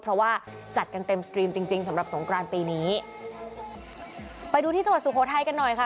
เพราะว่าจัดกันเต็มสตรีมจริงจริงสำหรับสงกรานปีนี้ไปดูที่จังหวัดสุโขทัยกันหน่อยค่ะ